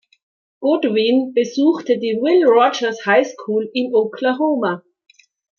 Goodwin besuchte die Will Rogers High School in Oklahoma.